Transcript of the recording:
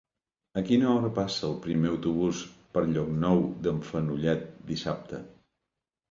A quina hora passa el primer autobús per Llocnou d'en Fenollet dissabte?